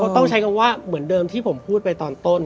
ต้องใช้คำว่าเหมือนเดิมที่ผมพูดไปตอนต้น